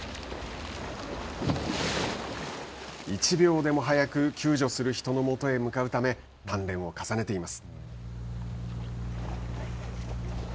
１秒でも早く救助する人の元へ向かうため鍛錬を重ねています。